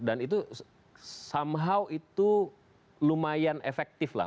dan itu somehow itu lumayan efektif lah